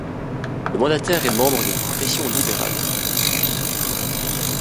Le mandataire est membre d'une profession libérale.